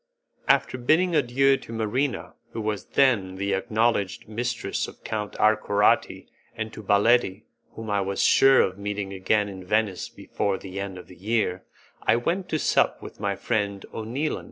After bidding adieu to Marina, who was then the acknowledged mistress of Count Arcorati, and to Baletti whom I was sure of meeting again in Venice before the end of the year, I went to sup with my friend O'Neilan.